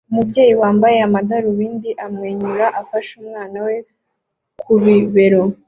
Umubyeyi wambaye amadarubindi amwenyura afashe umwana we ku bibero